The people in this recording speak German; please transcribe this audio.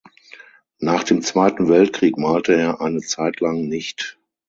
Nach dem Zweiten Weltkrieg malte er eine Zeitlang nicht.